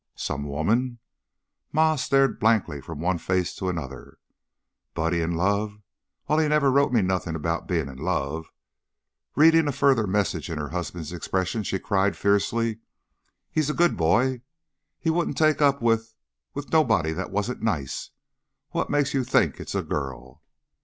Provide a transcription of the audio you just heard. "Some woman?" Ma stared blankly from one face to another. "Buddy in love? Why, he never wrote me nothing about bein' in love." Reading a further message in her husband's expression, she cried, fiercely: "He's a good boy. He wouldn't take up with with nobody that wasn't nice. What makes you think it's a girl?"